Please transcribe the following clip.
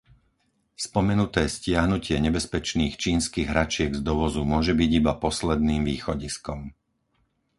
Spomenuté stiahnutie nebezpečných čínskych hračiek z dovozu môže byť iba posledným východiskom.